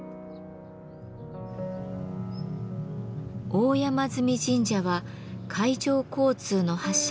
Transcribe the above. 大山神社は海上交通の覇者